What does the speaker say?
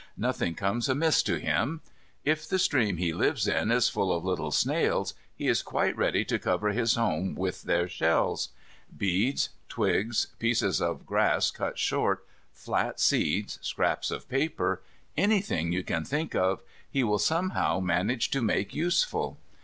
Nothing comes amiss to him. If the stream he lives in is full of little snails, he is quite ready to cover his home with their shells. Beads, twigs, pieces of grass cut short, flat seeds, scraps of paper, anything you can think of, he will somehow manage to make useful.